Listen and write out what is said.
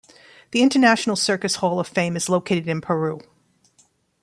The International Circus Hall of Fame is located in Peru.